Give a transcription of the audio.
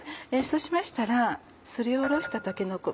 そうしましたらすりおろしたたけのこ